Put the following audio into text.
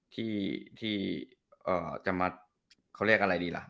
ที่จะมาเขาเรียกอะไรดีล่ะ